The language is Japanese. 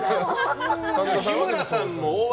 日村さんも大枠